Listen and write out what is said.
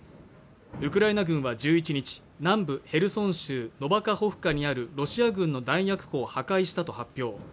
ウクライナ軍は１１日南部ヘルソン州ノバカホフカにあるロシア軍の弾薬庫を破壊したと発表